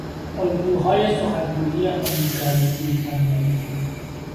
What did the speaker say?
الگوهای سخن گویی امریکایی - بریتانیایی